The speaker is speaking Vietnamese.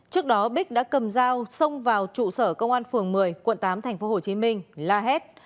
trước đó bích đã cầm dao xông vào trụ sở công an phường một mươi quận tám tp hcm la hét